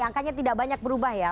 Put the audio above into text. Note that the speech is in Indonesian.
angkanya tidak banyak berubah ya